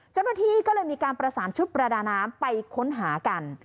เจ้าหน้าที่ก็เลยมีการประสานชุดประดาน้ำไปค้นหากัน